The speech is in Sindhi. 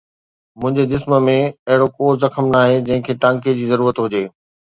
منهنجي جسم ۾ اهڙو ڪو زخم ناهي جنهن کي ٽانڪي جي ضرورت هجي